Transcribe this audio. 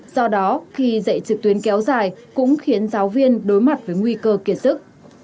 do đó khi dạy trực tuyến kéo dài cũng khiến giáo viên đối mặt với nguy cơ kiệt sức